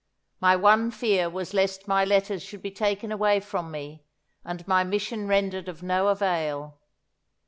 My one fear was lest my letters should be taken away from me, and my mission rendered of no avail.